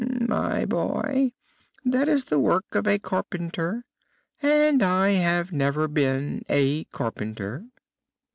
"My boy, that is the work of a carpenter, and I have never been a carpenter."